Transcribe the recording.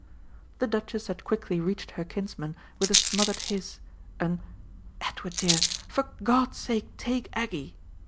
The Duchess had quickly reached her kinsman with a smothered hiss, an "Edward dear, for God's sake take Aggie!"